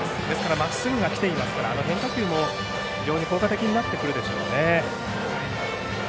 まっすぐが来ていますから変化球も、効果的になってくるでしょうね。